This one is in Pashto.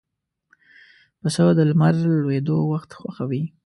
پسه د لمر لوېدو وخت خوښوي.